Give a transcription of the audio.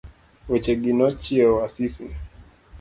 Wechegi nochiewo Asisi.